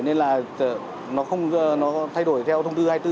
nên là nó không thay đổi theo thông tư hai mươi bốn